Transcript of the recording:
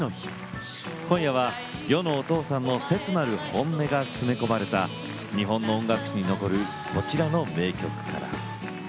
今夜は世のお父さんの切なる本音が詰め込まれた日本の音楽史に残るこちらの名曲から。